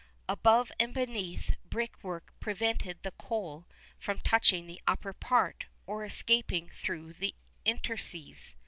Above and beneath, brick work prevented the coal from touching the upper part, or escaping through the interstices.